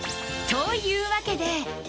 というわけで。